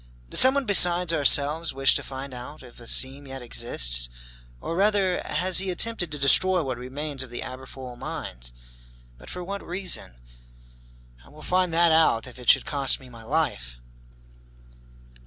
Does someone besides ourselves wish to find out if a seam yet exists? Or, rather, has he attempted to destroy what remains of the Aberfoyle mines? But for what reason? I will find that out, if it should cost me my life!"